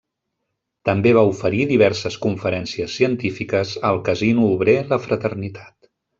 També va oferir diverses conferències científiques al casino obrer La Fraternitat.